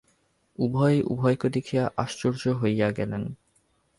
উভয়েই উভয়কে দেখিয়া আশ্চর্য হইয়া গেলেন।